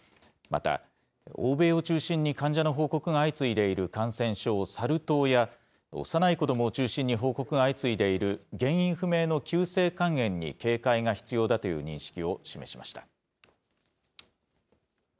また、欧米を中心に患者の報告が相次いでいる感染症、サル痘や幼い子どもを中心に報告が相次いでいる原因不明の急性肝炎に警戒が必要だという認識を示しました。